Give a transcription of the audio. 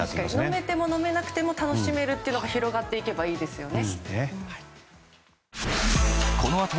飲めても飲まなくても楽しめるというのが広がっていけばいいですね。